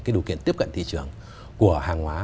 cái điều kiện tiếp cận thị trường của hàng hóa